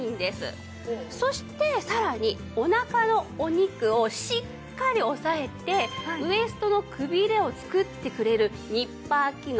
そしてさらにおなかのお肉をしっかり押さえてウエストのくびれを作ってくれるニッパー機能。